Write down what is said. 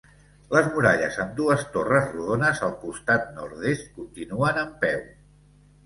Les muralles amb dues torres rodones al costat nord-est continuen en peu.